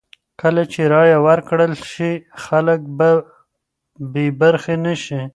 کله چې رایه ورکړل شي، خلک به بې برخې نه شي.